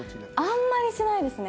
あんまりしないですね。